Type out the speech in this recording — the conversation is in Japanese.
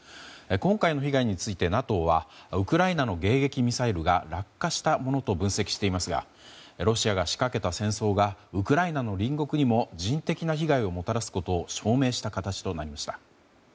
今回の被害についてＮＡＴＯはウクライナの迎撃ミサイルが落下したものと分析していますがロシアが仕掛けた戦争がウクライナの隣国にも人的な被害をもたらすことを証明した形となりました。